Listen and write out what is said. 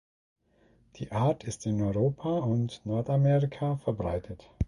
Die Art ist in Europa und Nordamerika verbreitet.